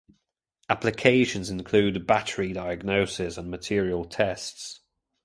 Applications include battery diagnosis and material tests.